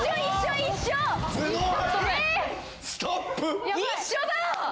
一緒だ！